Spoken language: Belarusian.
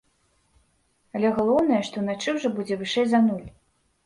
Але галоўнае, што ўначы ўжо будзе вышэй за нуль.